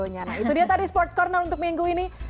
nah itu dia tadi sport corner untuk minggu ini